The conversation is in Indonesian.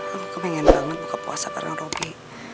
aku kemenangan banget buka puasa bareng robi